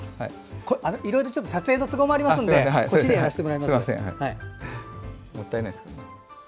いろいろと撮影の都合もありますのでこっちでやらせてもらいます。